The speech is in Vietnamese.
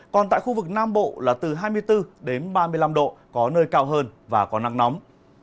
còn tại khu vực nam bộ là từ hai mươi bốn đến ba mươi năm độ có nơi cao hơn và có nắng nóng